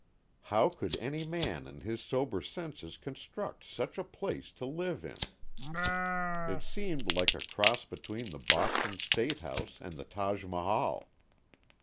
How could any man in his sober senses construct such a place to live in? It seemed like a cross between the Boston State House and the Taj Mahal.